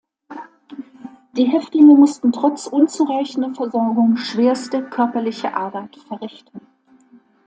Die Häftlinge mussten trotz unzureichender Versorgung schwerste körperliche Arbeit verrichten.